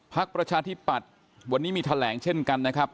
ประชาธิปัตย์วันนี้มีแถลงเช่นกันนะครับ